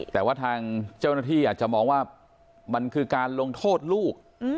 แต่ว่าทางเจ้าหน้าที่อาจจะมองว่ามันคือการลงโทษลูก